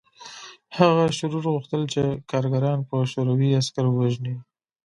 هغه شرور غوښتل چې کارګران په شوروي عسکرو ووژني